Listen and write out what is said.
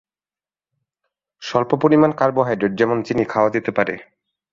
স্বল্প পরিমাণ কার্বোহাইড্রেট যেমন চিনি খাওয়া যেতে পারে।